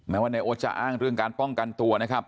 ว่านายโอ๊ตจะอ้างเรื่องการป้องกันตัวนะครับ